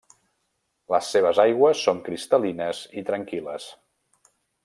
Les seves aigües són cristal·lines i tranquil·les.